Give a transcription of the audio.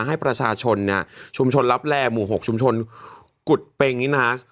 ให้ประชาชนเนี่ยชุมชนรับแรงหมู่หกชุมชนกุดเป็นอย่างนี้นะฮะ